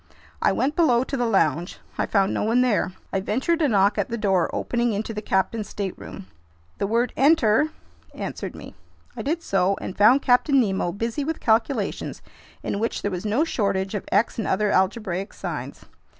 I went below to the lounge. I found no one there. I ventured a knock at the door opening into the captain's stateroom. The word "Enter!" answered me. I did so and found Captain Nemo busy with calculations in which there was no shortage of X and other algebraic signs.